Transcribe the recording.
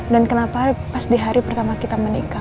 dan kenapa pas di hari pertama kita menikah